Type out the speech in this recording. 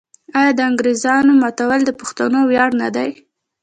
آیا د انګریزامو ماتول د پښتنو ویاړ نه دی؟